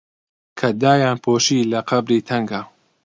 کە دایانپۆشی لە قەبری تەنگا